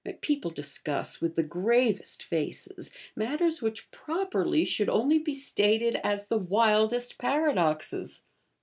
People discuss, with the gravest faces, matters which properly should only be stated as the wildest paradoxes.